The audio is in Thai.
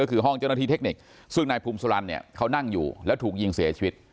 ก็คือห้องเจ้าหน้าที่เทคนิคซึ่งนายภูมิสุรรณเนี่ยเขานั่งอยู่แล้วถูกยิงเสียชีวิต